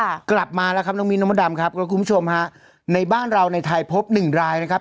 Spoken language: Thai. กลับมาแล้วครับน้องมิ้นน้องมดดำครับคุณผู้ชมฮะในบ้านเราในไทยพบหนึ่งรายนะครับ